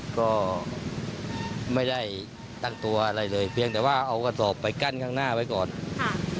ก็ไม่ได้ตั้งตัวอะไรเลยเพียงแต่ว่าเอากระสอบไปกั้นข้างหน้าไว้ก่อนค่ะ